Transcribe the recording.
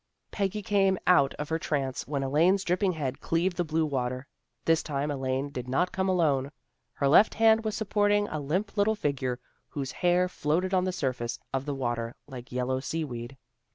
Peggy came out of her trance when Elaine's dripping head cleaved the blue water. This tune Elaine did not come alone. Her left hand was supporting a limp little figure, whose hair floated on the surface of the water like yellow seaweed.